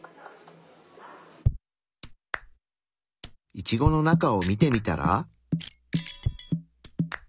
イチゴの中を見てみたら。